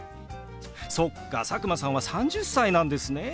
そっか佐久間さんは３０歳なんですね。